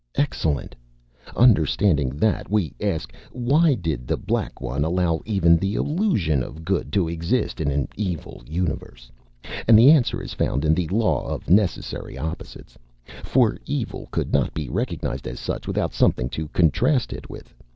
"Excellent. Understanding that, we ask, why did The Black One allow even the illusion of Good to exist in an Evil universe? And the answer is found in the Law of Necessary Opposites; for Evil could not be recognized as such without something to contrast it with.